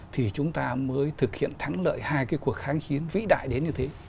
thì chúng ta mới thực hiện thắng lợi hai cái cuộc kháng chiến vĩ đại đến như thế